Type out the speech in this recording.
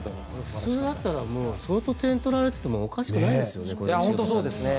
普通だったら相当点を取られていても本当にそうですよね。